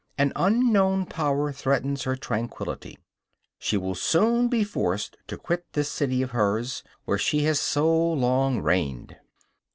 An unknown power threatens her tranquillity; she will soon be forced to quit this city of hers, where she has so long reigned.